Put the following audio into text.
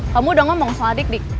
kamu udah ngomong soal dik dik